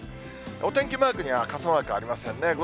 お天気マークには傘マークはありませんね。